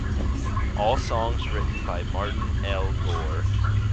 All songs written by Martin L. Gore.